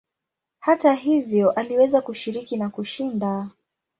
Hata hivyo aliweza kushiriki na kushinda.